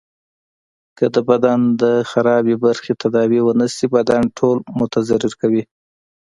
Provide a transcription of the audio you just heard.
که د بدن د خرابي برخی تداوي ونه سي بدن ټول متضرر کوي.